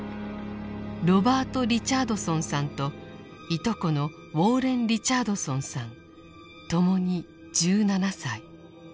ロバート・リチャードソンさんといとこのウォーレン・リチャードソンさんともに１７歳。